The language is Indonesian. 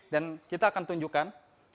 dan kita akan tunjukkan